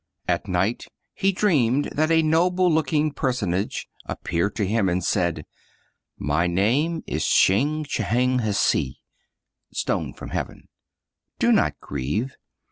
^ At night he dreamed that a noble looking personage appeared to him, and said, "My name is Shih Ch*ing hsii (Stone from Heaven). Do not grieve.